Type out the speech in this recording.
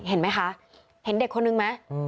เห็นไหมคะเห็นเด็กคนนึงไหม